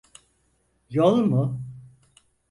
Yol mu?